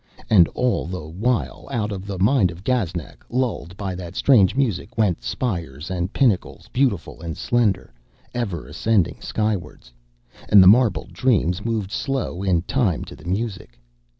And all the while out of the mind of Gaznak, lulled by that strange music, went spires and pinnacles beautiful and slender, ever ascending skywards. And the marble dreams moved slow in time to the music.